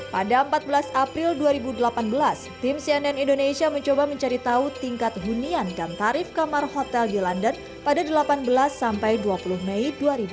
pada empat belas april dua ribu delapan belas tim cnn indonesia mencoba mencari tahu tingkat hunian dan tarif kamar hotel di london pada delapan belas sampai dua puluh mei dua ribu delapan belas